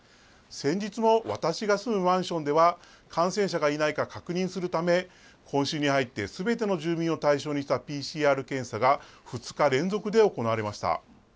先日も、私が住むマンションでは、感染者がいないか確認するため、今週に入ってすべての住民を対象にしたＰＣＲ検査が、２日連続で行われました。